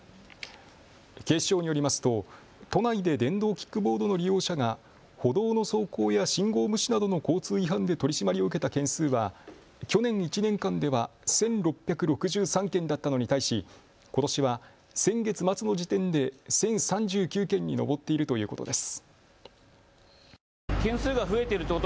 警視庁によりますと都内で電動キックボードの利用者が歩道の走行や信号無視などの交通違反で取締りを受けた件数は去年１年間では１６６３件だったのに対し、ことしは先月末の時点で１０３９件に上っているということです。